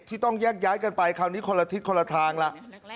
ต้องแยกย้ายกันไปคราวนี้คนละทิศคนละทางแล้ว